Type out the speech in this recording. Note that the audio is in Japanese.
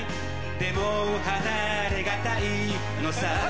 でも離れ難いのさ